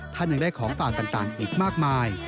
ท่านยังได้ของฝากต่างอีกมากมาย